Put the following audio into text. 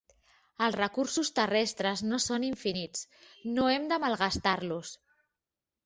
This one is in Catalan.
Els recursos terrestres no són infinits, no hem de malgastar-los.